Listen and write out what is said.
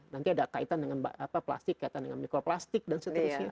nanti ada kaitan dengan plastik kaitan dengan mikroplastik dan seterusnya